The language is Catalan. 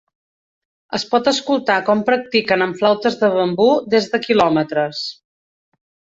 Es pot escoltar com practiquen amb flautes de bambú des de kilòmetres.